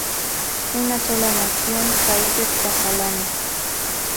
Una sola nación, ¡Países Catalanes!